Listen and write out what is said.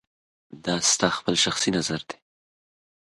دا ستا خپل شخصي نظر دی